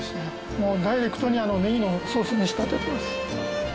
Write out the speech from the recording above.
もうダイレクトにネギのソースに仕立ててます。